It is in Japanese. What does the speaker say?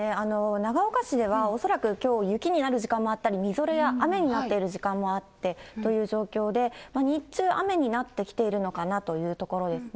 長岡市では、恐らくきょう、雪になる時間もあったり、みぞれや雨になっている時間もあって、という状況で、日中雨になってきているのかなというところですね。